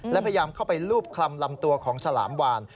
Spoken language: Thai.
และพยายามเข้าไปลูบคลำลำตัวของฉลามวาน